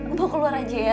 mbok keluar aja ya